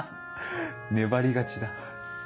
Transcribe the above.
粘り勝ちだ。